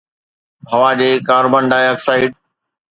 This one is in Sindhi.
هوا جي ڪاربان ڊاءِ آڪسائيڊ